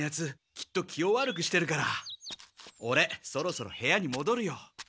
きっと気を悪くしてるからオレそろそろ部屋にもどるよ。